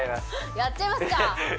やっちゃいます！